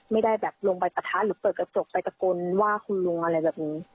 ไม่ได้แบบลงไปปะทะหรือเปิดกระจกไปตะโกนว่าคุณลุงอะไรแบบนี้